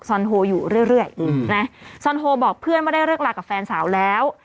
โฮอยู่เรื่อยนะซอนโฮบอกเพื่อนว่าได้เลิกลากับแฟนสาวแล้ว